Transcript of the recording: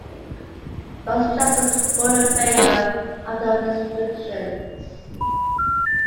Both justices ruled in favor of the restrictions.